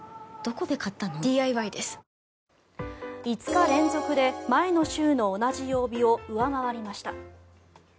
５日連続で前の週の同じ曜日を上回りました。